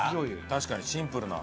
確かにシンプルな。